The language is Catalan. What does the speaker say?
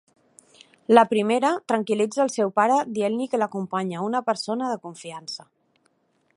La primera tranquil·litza el seu pare dient-li que l'acompanya una persona de confiança.